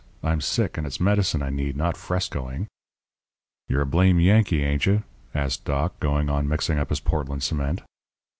I'm sick; and it's medicine I need, not frescoing.' "'You're a blame Yankee, ain't you?' asked Doc, going on mixing up his Portland cement.